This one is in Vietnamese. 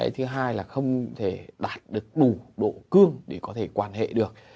thứ hai là không thể đạt được đủ bộ cương để có thể quan hệ được